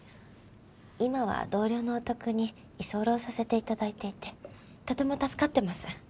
今は同僚のお宅に居候させて頂いていてとても助かってます。